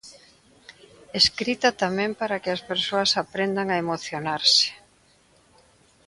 Escrita tamén para que as persoas aprendan a emocionarse.